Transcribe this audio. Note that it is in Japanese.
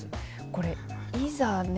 これいざね